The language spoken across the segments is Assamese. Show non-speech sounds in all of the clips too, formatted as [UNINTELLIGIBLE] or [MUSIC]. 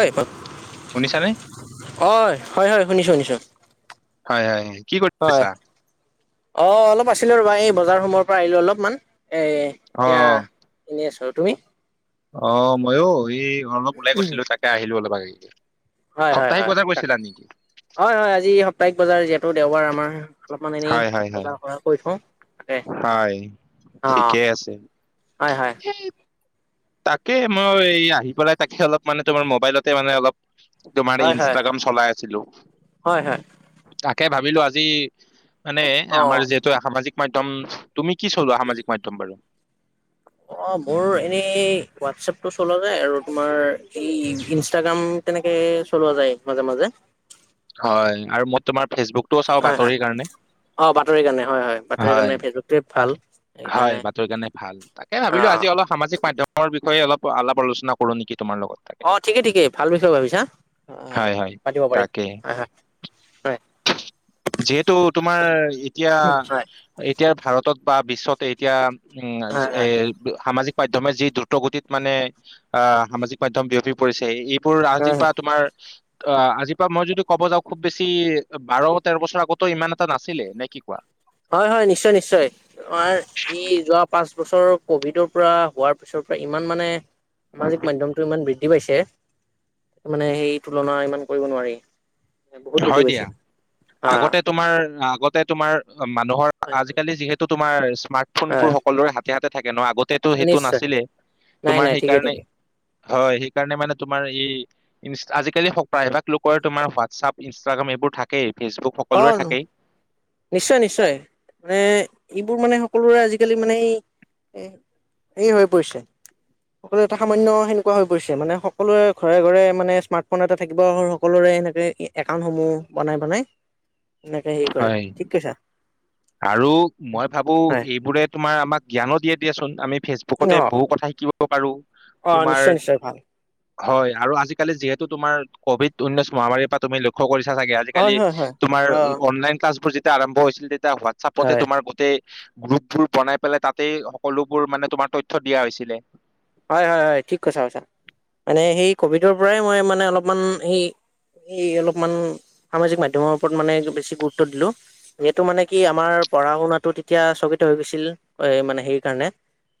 ঐ শুনিছানে? অ', হয়, হয়। শুনিছো, শুনিছো। হয়, হয়, কি কৰি হয় আছা? অ', অলপ আছিলো ৰ'বা এই বজাৰ সময়ৰ পৰা আহিলো অলপমান, এ এতিয়া অ'। এনেই আছো, তুমি? অ', ময়ো এই অলপ ওলাই গৈছিলো, তাকে আহিলো অলপ আগে। হয় হয় সপ্তাহিক হয় বজাৰ তাকে গৈছিলা নেকি? হয়, হয়, আজি সপ্তাহিক বজাৰ যিহেতু দেওবাৰ আমাৰ অলপমান এনেই হয় হয় হয়, বজাৰ কৰি থওঁ। তাকে হয়, অ' ঠিকেই আছে। হয় হয় তাকে, মই এই আহি পেলাই তাকে অলপমান তোমাৰ মোবাইলতে মানে অলপ তোমাৰ এই হয় হয় ইনষ্টাগ্ৰাম চলাই আছিলো। হয় হয় তাকে ভাবিলো আজি মানে আমাৰ অ' যিহেতু সামাজিক মাধ্যম। তুমি কি চলোৱা সামাজিক মাধ্যম বাৰু, অ মোৰ এনেই হোৱাটছএপতটো চলোৱা যায় আৰু তোমাৰ এ ইনষ্টাগ্ৰাম। তেনেকে চলোৱা যায় মাজে মাজে। হয় আৰু মই তোমাৰ ফেচবুক। হয় হয় অ বাতৰি কাৰণে হয় হয় বাতৰি কাৰণে ফেচবুকটোৱে ভাল। হয় সেইকাৰণে বাতৰি কাৰণে ভাল তাকে ভাবিলো অ' আজি অলপ সামাজিক মাধ্যম। ত বিষয়ে অলপ আলাপ আলোচনা কৰো নেকি তোমাৰ লগত। তাকে অ ঠিকেই ঠিকেই ভাল বিষয়ে ভাবিছা অ হয় হয় পাতিব পাৰি তাকে হয় হয়। হয়। যিহেতু তোমাৰ এতিয়া, হয় হয় এতিয়া ভাৰতত বা বিশ্বত এতিয়া উম হয় এ, সামাজিক মাধ্যমে যি দ্ৰুত গতিত মানে আহ সামাজিক মাধ্যম বিয়পি পৰিছে এই, বোৰ আজিৰ হয় পৰাা তোমাৰ। আজিৰ পৰাা মই যদি কব যাওঁ খুব বেছি বাৰ তেৰ বছৰ আগতেো ইমান এটা নাছিলে নে কি কোৱা। হয় হয় নিশ্চয় নিশ্চয়। ই যোৱা পাঁচ বছৰ কভিডৰ পৰা হোৱাৰ পিছৰ পৰা ইমান মানে, সামাজিক মাধ্যমটো ইমান বৃদ্ধি পাইছে। মানে সেই তুলনা ইমান কৰিব নোৱাৰি। বহুত বৃদ্ধি হয় পাইছে দিয়া হা আগতে তোমাৰ আগতে তোমাৰ মানুহৰ, হয় হয় আজিকালি যিহেতু তোমাৰ হয় স্মাৰ্টফোনবোৰ সকলোৰে হাতে হাতে থাকে ন আগত। টো সেইটো নিশ্চয় নাছিলে নাই তোমাৰ নাই ঠিকে সেইকাৰণে, ঠিকে হয় সেইকাৰণে মানে তোমাৰ এই ই আজিকালি প্ৰায়ভাগ লোকৰে তোমাৰ হোৱাটছআাপ। ইনষ্টাগ্ৰাম এইবোৰ থাকেই ফেচবুক অ সকলোৰে থাকেই। নিশ্চয় নিশ্চয় মানে এইবোৰ মানে সকলোৰে আজিকালি মানে এই, এই হৈ পৰিছে। সকলোৱে এটা সামান্য সেনেকুৱা হৈ পৰিছে মানে সকলোৰে ঘৰে ঘৰে মানে স্মাৰ্টফোন এটা থাকিব হক। সকলোৰে এনেকৈ একাউণ্টসমূহ বনাই বনাই এনেকৈ হেৰি কৰে। হয় ঠিক কৈছা। আৰু মই ভাবো হয় এইবোৰে। তোমাৰ আমাক জ্ঞানো দিয়ে দিয়া চোন আমি ফেচ, বুকতে অ বহু কথা শিকিব পাৰো অ তোমাৰ, নিশ্চয় নিশ্চয় ভাল হয় আৰু আজিকালি যিহেতু তোমাৰ কভিড উঊনৈশ মহামাৰীৰ পৰা তুমি লক্ষ্য কৰিছা চাগে। হয় আজিকালি হয় হয় তোমাৰ অ অনলাইন ক্লাছ বোৰ যেতিয়া আৰম্ভ হৈছিল তেতিয়া হোৱাটচাপতে হয় হয় তোমাৰ গোটেই, গ্ৰুপ বোৰ বনাই পেলাই তাতেই সকলোবোৰ মানে তোমাৰ তথ্য দিয়া হৈছিলে। হয় হয় হয় ঠিক কথা কৈছা মানে সেই কভিডৰ পৰাই মই মানে অলপমান সেই, এই অলপমান সামাজিক মাধ্যমৰ ওপৰত মানে বেছি গুৰুত্ব দিলো। এইটো মানে কি আমাৰ পঢ়া শুনাতো তেতিয়া স্থগিত হৈ গৈছিল মানে সেই কাৰণে,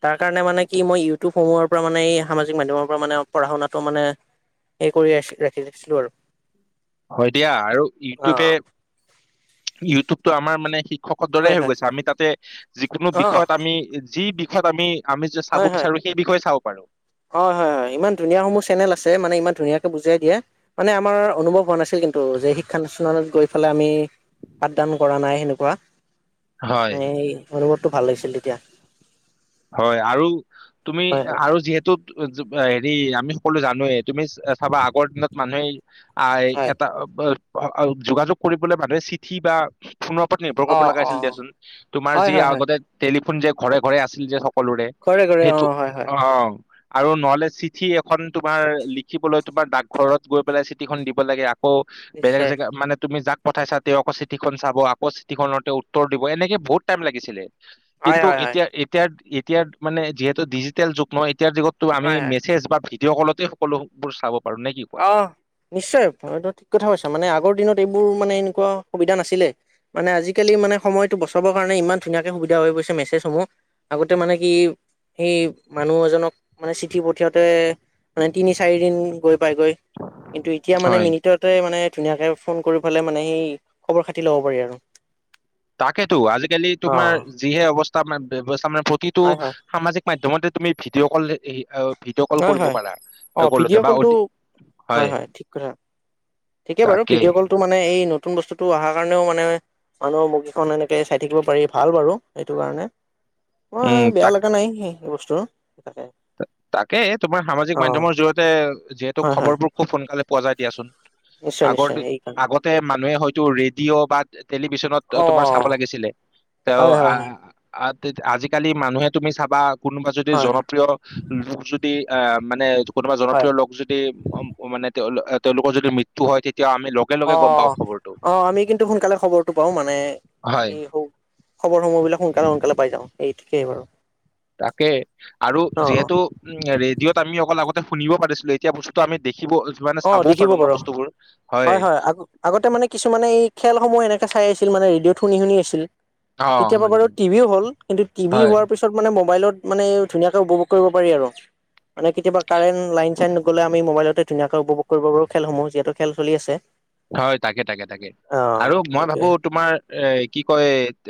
তাৰ কাৰণে মানে কি মই ইউটিউবসমূহৰ পৰা মানে সামাজিক মাধ্যমৰ পৰা মানে পঢ়া শুনাটো মানে, এই কৰি আছিলো ৰাখিছিলো আৰু, হয় দিয়া আৰু অ ইউটিউবে ইউটিউবতো আমাৰ মানে শি শিক্ষকত দৰে হয় হৈ হয় গৈছে আমি তাতে যিকোনো অ বিষয়ত আমি যি বিষয়ত আমি। আমি যাছ হয় চাব হয় বিচাৰো সেই বিষয়ে চাব পাৰো। হয় হয় হয় ইমান ধুনীয়া সমূহ চেনেল আছে মানে ইমান ধুনীয়াকে বুজিয়াই দিয়ে। মানে আমাৰ অনুভৱ হোৱা নাছিল কিন্তু যে শিক্ষানুষ্ঠানত গৈ পেলাই আমি। পাঠদান কৰা নাই সেনেকুৱা হয় মানে অনুভৱটো ভাল লাগিছিল তেতিয়া হয় আৰু তুমি হয় হয় আৰু যিহেতু হেৰি আমি সকলো জানোৱেই তুমি চাবা আগৰ দিনত মানুহে আ হয় এটা যোগাযোগ কৰিবলে মানুহে চিঠি বা ফোনৰ ওপৰত নিৰ্ভৰ অ কৰিব লগা অ হৈছিল দিয়াচোন তোমাৰ হয় যি হয় হয় আগতে টেলিফোন যে ঘৰে ঘৰে আছিল যে সকলোৰে কৰে কৰে অ সেইটো হয় হয় অ আৰু নহলে চিঠি এখন তোমাৰ লিখিবলৈ তোমাৰ ডাকঘৰত গৈ পেলাই চিঠিখন দিব লাগে আকৌ বেলেগ নিশ্চয় জেগা মানে তুমি যাক পঠাইচা তেওঁ আকৌ চিটিখন চাব আকৌ চিটিখনতে উত্তৰ দিব এনেকে বহুত টাইম লাগিছিলে হয় কিন্তু হয় হয় এতিয়া এতিয়াৰ এতিয়াৰ মানে যিহেতু ডিজিটেল যুগ ন এতিয়াৰ যুগত টো আমি হয় হয় মেছেজ বা ভিডিঅ' কলতে সকলোবোৰ চাব পাৰো নে কি কোৱা? অ নিশ্চয় এইটো ঠিক কথা কৈছ মানে আগৰ দিনত এইবোৰ মানে এনেকুৱা সুবিধা নাছিলে মানে আজিকালি মানে সময়টো বচাবৰ কাৰণে ইমান ধুনীয়াকে সুবিধা হৈ পৰিছে মেছেজসমূহ আগতে মানে কি সেই মানুহ এজনক মানে চিঠি পঠিয়াওঁতে মানে তিনি চাৰিদিন গৈ পাইগৈ কিন্তু এতিয়া মানে হয়। মিনিটত মানে ধুনীয়াকে ফোন কৰি পেলাই মানে সেই খবৰ খাতি ল'ব পাৰি আৰু তাকেতো আজিকালি অ তোমাৰ যিহে অৱস্থা ব্যৱস্থা মানে প্ৰতিটো হয় হয় সামাজিক মাধ্যমতে তুমি ভিডিঅ' কল এই অ ভিডিঅ' কল হয় কৰিব হয় পাৰা অ কলো ভিডিঅ' বা কলটো অডিঅ হয় ঠিকে বাৰু তাকে ভিডিঅ' কলটো মানে এই নতুন বস্তুটো অহাৰ কাৰণেও মানে মানুহৰ মুখকেইখন এনেকে চাই থাকিব পাৰি ভাল বাৰু সেইটো কাৰণে অ উম বেয়া তাক লগা নাই সেই বস্তু তাকে তাকেই তোমাৰ সামাজিক অ মাধ্যমৰ জৰিয়তে যিহেতু হয় হয় খবৰবোৰ খুব সোনকালে পোৱা যায় দিয়াচোন নিশ্চয় আগৰ নিশ্চয় দিন- সেইকাৰণে আগতে মানুহে হয়তো ৰেডিঅ' বা টেলিভিশ্যন অ তোমাৰ চাব লাগিছিলে তেওঁ হয় হয় হয় আহ আজিকালি মানুহে তুমি চাবা কোনোবা যদি হয় জন হয় প্ৰিয় লোক যদি আহ মানে কোনোবা হয় জনপ্ৰিয় লোক যদি আ ম মানে তেওঁ তেওঁলোকৰ যদি মৃত্যু হয় তেতিয়া আমি লগ অ অ আমি কিন্তু সোনকালে খবৰটো পাওঁ মানে হয় এই হওক খবৰসমূহবিলাক সোনকালে সোনকালে পাই যাওঁ এই ঠিকে বাৰু তাকে আৰু অ অ যিহেতু উম ৰেডিঅত আমি অকল আগতে শুনিব পাৰিছিলো এতিয়া বস্তুটো আমি দেখিব মানে অ চাবও দেখিব পাৰো ন বাৰু বস্তুবোৰ হয় আগতে মানে কিছুমানে এই খেলসমূহ এনেকে চাই আছিল মানে ৰেডিঅ' শুনি শুনি আছিল অ এতিয়া বা হয় বাৰু হয় টিভিও হ'ল কিন্তু টিভি হয় হোৱাৰ পিছত মানে মোবাইলত মানে ধুনীয়াকে উপভোগ কৰিব পাৰি আৰু মানে কেতিয়াবা কাৰেণ্ট লাইন চাইন গ'লে আমি মোবাইলতে ধুনীয়াকৈ উপভোগ কৰিব পাৰো খেলসমূহ যিহেতু খেল চলি আছে হয় তাকে তাকে তাকে অ আৰু মই ভাবো সেইটোৱে তোমাৰ এ কি কয়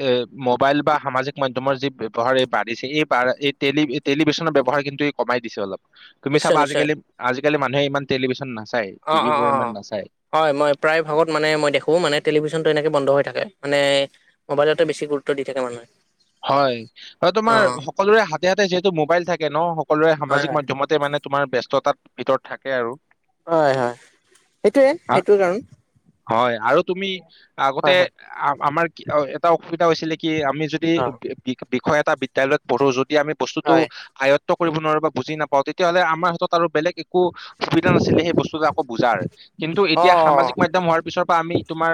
এ মোবাইল বা সামাজিক মাধ্যমৰ যি ব্যৱহাৰ এই বাঢ়িছে এই বাঢ় এই টেলি টেলিভিচনৰ ব্যৱহাৰ কিন্তু ই কমাই দিছে অলপ। তুমি নিশ্চয় চাবা নিশ্চয় আজিকালি আজিকালি মানুহে ইমান টেলিভিশ্যন নাচায় অ অ টিভিবোৰ অ ইমান নাচায়। হয় মই প্ৰায় ভাগত মই দেখো মানে টেলিভিশ্যনটো এনেকে বন্ধ হৈ থাকে মানে মোবাইলতে বেছি গুৰুত্ব দি থাকে মানুহে। হয় হয় অ তোমাৰ সকলোৰে হাতে হাতে যিহেতু মোবাইল থাকে ন' সকলোৰে হয় সামাজিক হয় মাধ্যমত তাতে মানে তোমাৰ ব্যস্ততাৰ ভিতৰত থাকে আৰু। হয়, হয়, সেইটোৱে সেইটো কাৰণ। হয়, আৰু তুমি আগতে হয় হয় আ-আমাৰ কি এটা অসুবিধা হৈছিলে কি আমি যদি অ বিষয় এটা বিদ্যালয়ত পঢ়ো যদি আমি বস্তুটো হয় আয়ত্ব কৰিব নোৱাৰো বা বুজি নাপাওঁ তেতিয়াহ'লে আমাৰ হাতত আৰু বেলেগ একো একো সুবিধা নাছিলে সেই বস্তুতো আকৌ বুজাৰ। কিন্তু অ এতিয়া সামাজিক মাধ্যম হোৱাৰ পিছৰ পৰা আমি তোমাৰ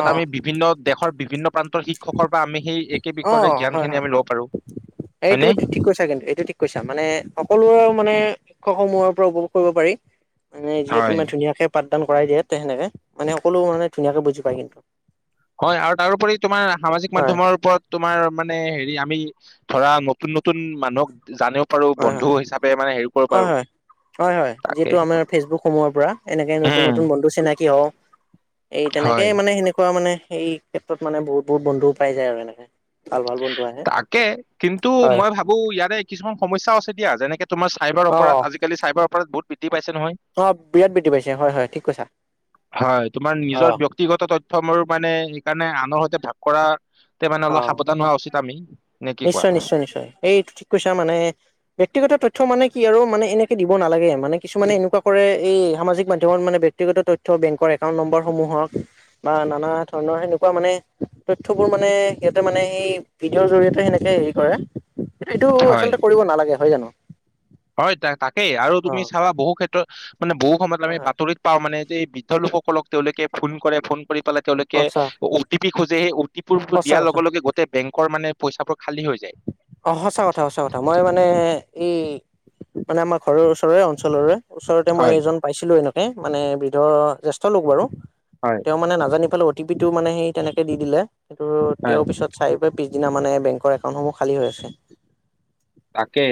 অ আমি বিভি বিভিন্ন দেশৰ বিভিন্ন প্ৰান্তৰ শিক্ষকৰ বা আমি সেই একে বিষয়ৰে অ', হয়, জ্ঞানখিনি হয়, আমি ল'ব পাৰো সেইটো হয়নে থি ঠিক কৈছা কিন্তু এইটো ঠিক কৈছা মানে সকলোৰ মানে শিক্ষক সমূহৰ পৰা উপভোগ কৰিব পাৰি। মানে যিহেতু হয় ইমান ধুনীয়াকে পাঠদান কৰাই দিয়ে তে হেনেকে মানে সকলো মানে ধুনীয়াকে বুজি পায় কিন্তু। হয় আৰু তাৰোপৰি তোমাৰ সামাজিক হয় মাধ্যমৰ ওপৰত তোমাৰ মানে হেৰি আমি ধৰা নতুন-নতুন মানুহক জানি ব পাৰো হয় হয় বন্ধু হিচাপে মানে হেৰি কৰিব পাৰোঁ। হয় হয়, হয়, যিহেতু আমাৰ ফেচবুক সমূহৰ পৰা এনেকে উম নতুন-নতুন বন্ধু চিনাকী হও। এই তেনেকে হয়। মানেই সেনেকুৱা মানে এই ক্ষেত্ৰত মানে বহুত বহুত বন্ধুও পাই যায় আৰু এনেকে, ভাল ভাল বন্ধু। আহে তাকে কিন্তু হয় মই ভাবো ইয়াৰে কিছুমান সমস্যাও আছে দিয়া, যেনেকে তোমাৰ চাইাবাৰ অ অপৰাধ, আজিকালি চাইবাৰপৰাধ বহুত বৃদ্ধি পাইছে নহয়। অ', বিৰাট বৃদ্ধি পাইছে হয়, হয়, ঠিক কৈছা অ'। বক্তিগত তথ্য মোৰ মানে সেইকাৰণে আনৰ সৈতে ভাগ কৰাতে মানে অলপ সাৱধান হোৱা উচিত আমি। নে কি কোৱা? নিশ্চয়-নিশ্চয়-নিশ্চয় এইটো ঠিক কৈছা মানে ব্যক্তিগত তথ্য মানে কি আৰু মানে এনেকে দিব নালাগে, মানে কিছুমানে এনেকুৱা কৰে এই সামাজিক মাধ্যমত মানে ব্যক্তিগত তথ্য বেংকৰ একাউণ্ট নম্বৰ সমূহক বা নানা ধৰণৰ সেনেকুৱা মানে তথ্যবোৰ মানে সিহঁতে মানে সেই ভিডিঅ'ৰ জৰিয়তে সেনেকে হেৰি কৰে, এইটো হয়। আচলতে কৰিব নালাগে হয় জানো? হয়, তাক তাকেই আৰু অ তুমি চাবা বহু ক্ষেত্ৰত মানে বহু সময়ত হয় আমি হয় বাতৰিত পাও মানে যে, বৃদ্ধ লোকসকলক তেওঁলোকে ফোন কৰে ফোন কৰি পেলাই তেওঁলোকে সঁচা অ'টি পি খোজে সেই অ'টিপি বোৰ সঁচা দিয়াৰ কথা লগে লগে গোটেই বেংকৰ মানে পইচাবোৰ খালী হৈ যায়। অ', সঁচা কথা সঁচা কথা, মই মানে এই মানে আমাৰ ঘৰৰ ওচৰৰে অঞ্চলৰে ওচৰতে মই হয় এজন পাইছিলোঁ এনেকে মানে বৃদ্ধ জ্যেষ্ঠ লোক বাৰু। হয়। তেওঁ মানে নাজানি পেলাই অ' টি পি টো মানে সেই তেনেকে দি দিলে সেইটো হয় তেওঁৰ পিছত [UNINTELLIGIBLE] পিছদিনা মানে বেংকৰ একাউণ্টসমূহ খালী হৈ আছে। তাকে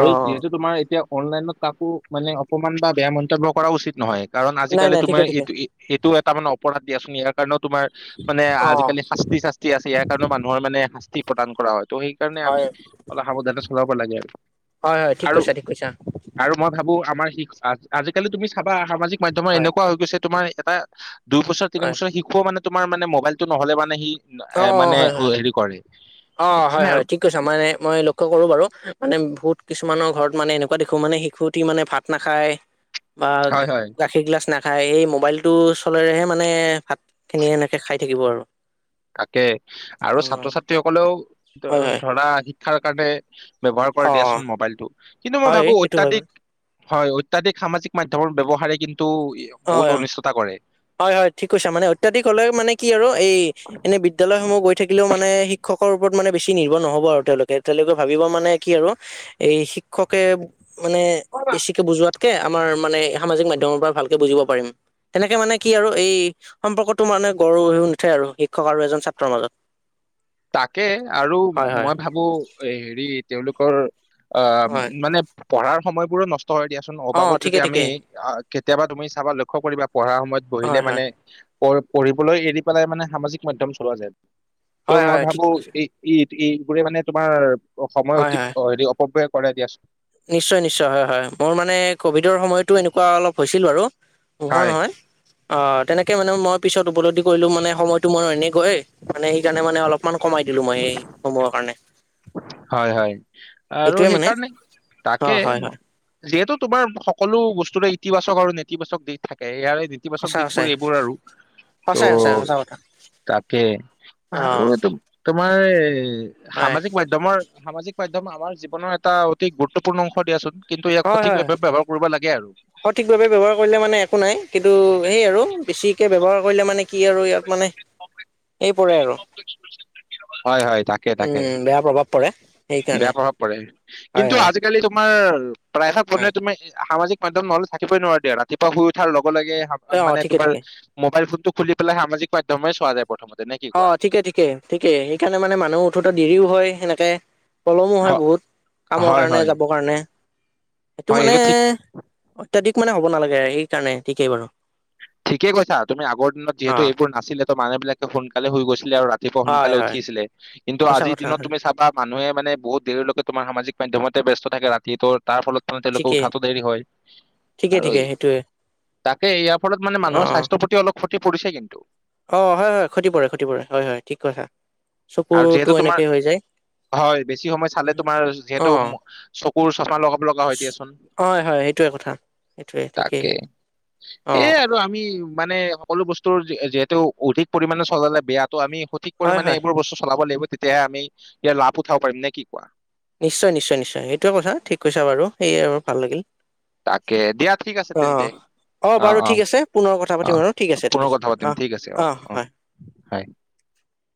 অ যিহেতু তোমাৰ এতিয়া অনলাইনত কাকো মানে অপমান বা বেয়া মন্তব্য কৰা উচিত নহয় কাৰণ, নাই আজিকালি নাই তোমাৰ ঠিকে ঠিকে এইটো সেইটোও এটা মানে অপৰাধ দিয়াচোন ইয়াৰ কাৰণেও তোমাৰ মানে অ আজিকালি শাস্তি চাস্তি আছে ইয়াৰ কাৰণেও মানুহৰ মানে শাস্তি প্ৰদান কৰা হয়, ত' সেইকাৰণে আমি হয় অলপ সাৱধানে চলাব লাগে আৰু। হয়, হয়, ঠিক আৰু কৈছা ঠিক কৈছা। আৰু মই ভাবো আমাৰ শি আজিকালি তুমি চাবা সামাজিক মাধ্যমৰ হয় এনেকুৱা হৈ গৈছে তোমাৰ এটা দুইবছৰ তিন হয় বছৰ শিশুও মানে তোমাৰ মানে মবাইলটো নহ'লে মানে সি অ এ, অ মানে হয় হয় হেৰি কৰে, অ সেইকাৰণে আৰু। [UNINTELLIGIBLE] মানে মই লক্ষ্য কৰোঁ বাৰু মানে বহুত কিছুমানৰ ঘৰত মানে এনেকুৱা দেখো মানে শিশুটি মানে ভাত নাখায়। [INAUDIBLE] বা হয় গাখীৰ গিলাচ না খাই, এই মোবাইলটো চলেৰেহে মানে, ভাতখিনি এনেকৈ খাই থাকিব আৰু। তাকে অ আৰু ছাত্ৰ-ছাত্ৰীসকলেও হয় হয় ধৰা শিক্ষাৰ কাৰণে ব্যৱহাৰ অ কৰে দিয়াচোন মোবাইলটো, কিন্তু মই হয় ভাবো সেইটো হয় অত্যাধিক বাৰু হয়, অত্যাধিক সামাজিক মাধ্যমৰ ব্যৱহাৰে কিন্তু অ বহুত অনিষ্টতা কৰে। হয়, হয়, ঠিক কৈছা মানে অত্যাধিক হ'লেও মানে কি আৰু এই, এনে বিদ্যালয়সমূহ গৈ থাকিলেও মানে শিক্ষকৰ ওপৰত মানে বেছি নিৰ্ভৰ নহ'ব আৰু তেওঁলোকে তেওঁলোকে ভাবিব মানে কি আৰু এই শিক্ষকে মানে, বেছিকে বুজোৱাত। কে, আমাৰ মানে সামাজিক মাধ্যমৰ পৰা ভালকে বুজিব পাৰিম, তেনেকে মানে। কি আৰু এই সম্পৰ্কটো মানে গঢ় হৈও, নোথে আৰু শিক্ষক আৰু এজন ছাত্ৰৰ মাজত। তাকে আৰু হয় হয় মই ভাবো এই, হেৰি তেওঁলোকৰ আহ, হয় মানে পঢ়াৰ সময়বোৰো নষ্ট হয় দিয়াচোন, অ অবাবত ঠিকে যদি আমি ঠিকে কেতিয়াবা তুমি চাবা লক্ষ্য কৰিবা, পঢ়া সময়ত বহিলে হয় হয় মানে পঢ়-পঢ়িবলৈ এৰি পেলাই মানে সামাজিক মাধ্যম চলোৱা যায়। ত, হয় মই হয় ঠিক ভাবো কৈছে [INAUDIBLE] বোৰে মানে তোমাৰ অ, সময় হয় অতি হয় হেৰি, অপব্যয় কৰে দিয়াচোন। নিশ্চয়, নিশ্চয় হয়, হয় মোৰ মানে কভিডৰ সময়তো এনেকুৱা অলপ হৈছিল বাৰু। পোহৰ হয় নহয়। অ, তেনেকে মানে মই পিছত উপলব্ধি কৰিলো, মানে সময়তটো মই এনেকৈ সেইকাৰণে মানে অলপ অকমান কমাই দিলো, মই সেই সমূহৰ কাৰণে। হয় হয় আৰু সেইটোয়ে মানে সেইকাৰণে অ তাকে হয় হয় যিহেতু তোমাৰ সকলো বস্তুৰে ইতিবাচক আৰু নেতিবাচক দিশ থাকে ইয়াৰে ইতিবাচক সঁচা দিশবোৰ সঁচাই এইবোৰ আৰু ত, সঁচাই সঁচাই সঁচা কথা তাকে অ আৰু এইটো তোমাৰ এই হয় সামাজিক মাধ্যম মাধ্যমৰ, সামাজিক মাধ্যম আমাৰ জীৱনৰ এটা অতি গুৰুত্বপূৰ্ণ অংশ দিয়াচোন। কিন্তু ইয়াক হয় হয় সঠিকভাৱে ব্যৱহাৰ কৰিব লাগে আৰু। সঠিকভাৱে ব্যৱহাৰ কৰিলে মানে একো নাই, কিন্তু এই আৰু বেছিকে ব্যৱহাৰ কৰিলে মানে কি আৰু ইয়াক মানে এই পৰে আৰু হয় হয় তাকে তাকে উম, বেয়া প্ৰভাৱ পৰে। বেয়া সেইকাৰণে প্ৰভাৱ পৰে, হয় কিন্তু হয় আজিকালি তোমাৰ প্ৰায়ভাগ মানে হয় তুমি সামাজিক মাধ্যম নহলে থাকিবই নোৱাৰা দিয়া, ৰাতিপুৱা শুই উঠাৰ লগে, লগে [INAUDIBLE] অ মানে ঠিকে তোমাৰ ঠিকে মোবাইল ফোনটো খুলি পেলাই, সামাজিক মাধ্যমে চোৱা যায়। প্ৰথমতে নেকি? অ, ঠিকে ঠিকে, ঠিকে, সেইকাৰণে মানে মানুহ উঠোতে দেৰিও হয় সেনেকে। পলমো হয় হ- বহুত, কামৰ হয় কাৰণে হয় যাবৰ কাৰণে, সেইটো হয় মানে এইটো ঠিক অত্যাধিক মানে হ'ব নালাগে, সেইকাৰণে ঠিকেই বাৰু। ঠিকে কৈছা, তুমি আগৰ দিনত অ যিহেতু এইবোৰ নাছিলে, ত, মানুহ বিলাকে সোনকালে শুই গৈছিলে আৰু ৰাতি ৰাতিপুৱা হয় সোনকালে হয় উঠিছিলে, কিন্তু সঁচা আজিৰ কথা দিনত হয় তুমি চাবা মানুহে মানে বহুত দেৰিলৈকে সামাজিক মাধ্যমতে ব্যস্ত থাকে ৰাতিটোৰ। তাৰ ফলত মানে তেওঁলোকে ঠিকেই উঠাটো দেৰি হয়, ঠিকে আৰু ঠিকে সেইটোৱে তাকে ইয়া অ মানুহৰ স্বাস্থ্যৰ প্ৰতি অলপ খতি পৰিছে কিন্তু। অ, হয় হয় খতি পৰে, খতি পৰে, হয় হয় ঠিক কৈছা। আৰু যিহেতু চকুৰতটো তোমাৰ এনেকেই হৈ যায়। হয় বেছি সময় চালে তোমাৰ যিহেতু অহ, ম- চকুৰ চাফা [UNINTELLIGIBLE] হয়, হয়, এইটো কথা, সেইটোৱে কথা ঠিকেই। অ এ, আৰু আমি, মানে সকলো বস্তুৰ যিহেতু অধিক পৰিমাণে চলালে বেয়াটো আমি ঠিক হয় পৰিমাণে হয় এইবোৰ বস্তু চলাব লাগিব তেতিয়াহে আমি, ইয়াৰ লাভ উঠাব পাৰিম নে কি কোৱা? নিশ্চয়, নিশ্চয়, নিশ্চয়, সেইটোৱে কথা, ঠিক কৈছা বাৰু সেই আৰু ভাল লাগিল। তাকে, দিয়া ঠিক আছে অ তেন্তে। অ', বাৰু অ', ঠিক আছে পুনৰ কথা পাতিম অ', আৰু ঠিক আছে ঠিক পুনৰ আছে কথা পাতিম অ ঠিক আছে। অ', হয়।